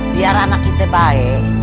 biar anak kita baik